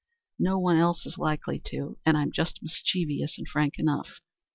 No one else is likely to, and I'm just mischievous and frank enough.